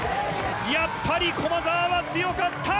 やっぱり駒澤は強かった。